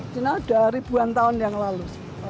cina udah ribuan tahun yang lalu